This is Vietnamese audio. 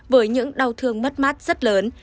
với những đau thương mất mát rất lớn